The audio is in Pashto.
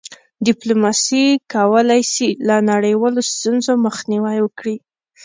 ډيپلوماسي کولی سي له نړیوالو ستونزو مخنیوی وکړي.